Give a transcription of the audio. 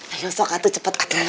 ayo sok atuh cepet atuh